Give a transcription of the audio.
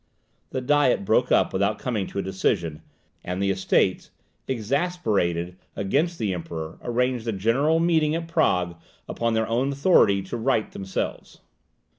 The Diet broke up without coming to a decision; and the Estates, exasperated against the Emperor, arranged a general meeting at Prague, upon their own authority, to right themselves.